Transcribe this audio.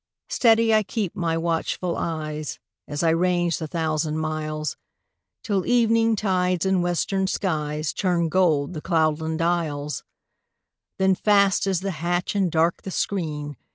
Steady I keep my watchful eyes, As I range the thousand miles. Till evening tides in western skies Turn gold the cloudland isles; Then fast is the hatch and dark the screen.